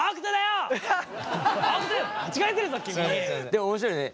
でも面白いね。